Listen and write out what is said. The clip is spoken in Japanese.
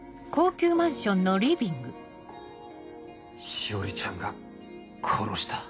詩織ちゃんが殺した？